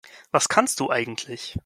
Was kannst du eigentlich?